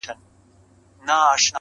کندهار مي د بابا په قباله دی٫